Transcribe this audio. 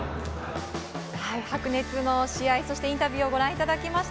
白熱の試合、インタビューをご覧いただきました。